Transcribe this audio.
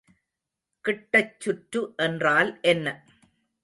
கிட்டச்சுற்று என்றால் என்ன?